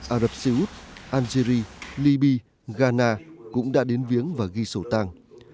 ả rập xê út algeria libya ghana cũng đã đến viếng và ghi sổ tang